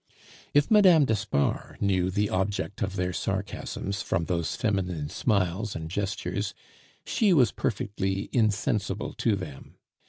If Mme. d'Espard knew the object of their sarcasms from those feminine smiles and gestures, she was perfectly insensible to them.